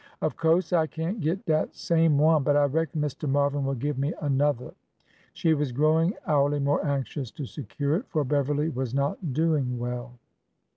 '' Of co'se I can't git dat same one, but I reckon Mr. Marvin would give me another." She was growing hourly more anxious to secure it, for Beverly was not doing well.